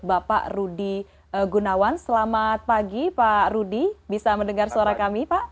bapak rudy gunawan selamat pagi pak rudy bisa mendengar suara kami pak